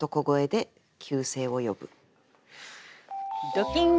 ドキン！